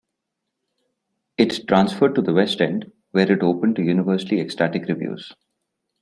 It transferred to the West End, where it opened to universally ecstatic reviews.